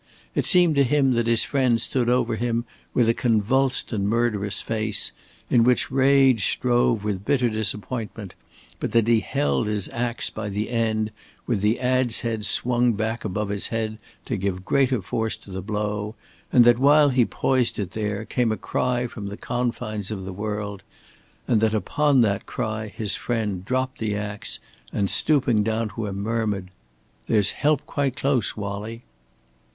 It seemed to him that his friend stood over him with a convulsed and murderous face, in which rage strove with bitter disappointment, but that he held his ax by the end with the adz head swung back above his head to give greater force to the blow, and that while he poised it there came a cry from the confines of the world, and that upon that cry his friend dropped the ax, and stooping down to him murmured: "There's help quite close, Wallie!"